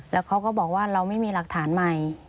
แล้วเขาก็บอกว่าเราไม่มีหลักฐานใหม่